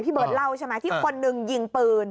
พี่เบิร์ดเล่าใช่มั้ยที่คนนึงยิงปืน